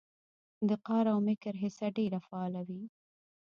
د قار او مکر حصه ډېره فعاله وي